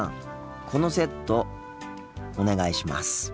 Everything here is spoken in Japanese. このセットお願いします。